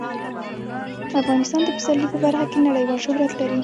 افغانستان د پسرلی په برخه کې نړیوال شهرت لري.